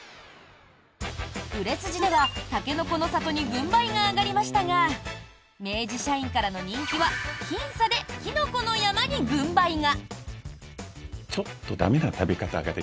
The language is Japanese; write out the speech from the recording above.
売れ筋では、たけのこの里に軍配が上がりましたが明治社員からの人気はきん差で、きのこの山に軍配が。